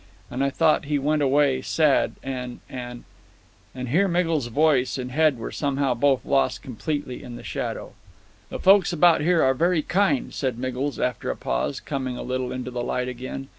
And I thought he went away sad and and " and here Miggles's voice and head were somehow both lost completely in the shadow. "The folks about here are very kind," said Miggles, after a pause, coming a little into the light again.